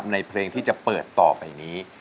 ในเพลงที่จะเปิดต่อไปนี้